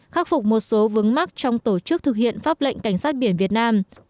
khắc phục một số vướng mắc trong tổ chức thực hiện pháp lệnh cảnh sát biển việt nam